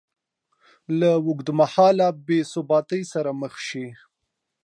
له اوږدمهاله بېثباتۍ سره مخ شي